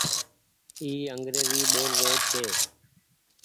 اي انگريزي ٻول رو ڇي۔